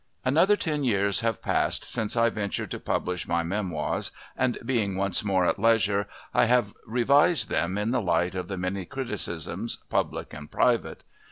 Another ten years have passed since I ventured to publish my Memoirs, and, being once more at leisure, I have revised them in the light of the many criticisms public and private.